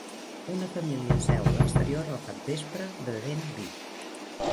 Una família seu a l'exterior al capvespre bevent vi